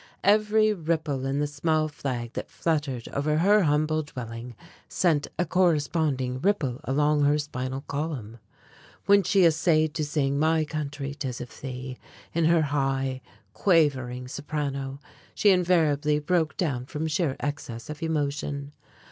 Every ripple in the small flag that fluttered over her humble dwelling sent a corresponding ripple along her spinal column. When she essayed to sing "My Country, 'Tis of Thee," in her high, quavering soprano, she invariably broke down from sheer excess of emotion.